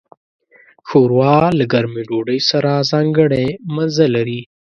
ښوروا له ګرمې ډوډۍ سره ځانګړی مزه لري.